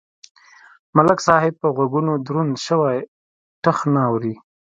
ملک صاحب په غوږونو دروند شوی ټخ نه اوري.